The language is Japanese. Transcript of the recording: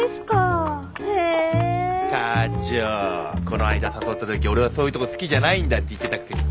この間誘ったとき「俺はそういうとこ好きじゃないんだ」って言ってたくせに。